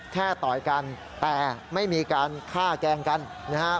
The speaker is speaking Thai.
ต่อยกันแต่ไม่มีการฆ่าแกล้งกันนะครับ